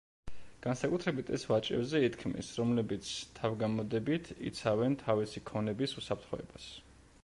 განსაკუთრებით ეს ვაჭრებზე ითქმის, რომლებიც, თავგამოდებით იცავენ თავისი ქონების უსაფრთხოებას.